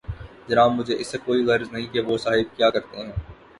جناب مجھے اس سے کوئی غرض نہیں کہ وہ صاحب کیا کرتے ہیں۔